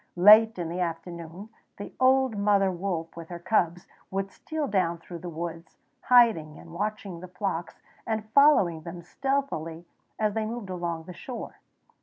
Late in the afternoon the old mother wolf with her cubs would steal down through the woods, hiding and watching the flocks, and following them stealthily as they moved along the shore.